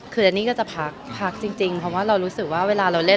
คืออันนี้ก็จะพักพักจริงเพราะว่าเรารู้สึกว่าเวลาเราเล่น